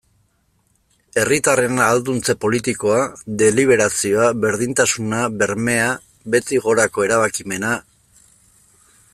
Herritarren ahalduntze politikoa, deliberazioa, berdintasuna, bermea, behetik gorako erabakimena...